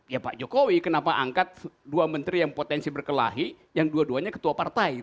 ya pak jokowi kenapa angkat dua menteri yang potensi berkelahi yang dua duanya ketua partai